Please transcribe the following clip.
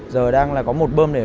giờ đang là có một bơm để